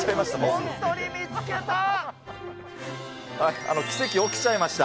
本当に見つけた。